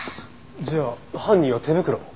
じゃあ犯人は手袋を？